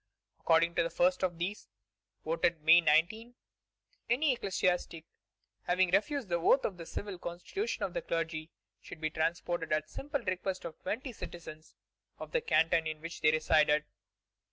According to the first of these, voted May 19, any ecclesiastic having refused the oath to the civil constitution of the clergy, could be transported at the simple request of twenty citizens of the canton in which he resided.